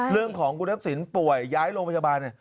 เรื่องของคุณทักษิณป่วยย้ายโรงพยาบาลเนี่ย